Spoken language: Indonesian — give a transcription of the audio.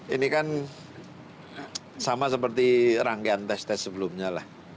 ini kan sama seperti rangkaian tes tes sebelumnya lah